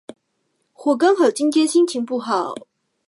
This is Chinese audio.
或刚好今天心情不好？